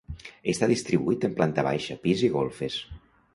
Està distribuït en planta baixa, pis i golfes.